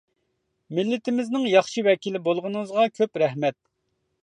مىللىتىمىزنىڭ ياخشى ۋەكىلى بولغىنىڭىزغا كۆپ رەھمەت.